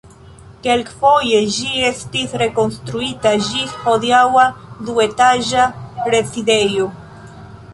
Kelkfoje ĝi estis rekonstruita ĝis hodiaŭa duetaĝa rezidejo.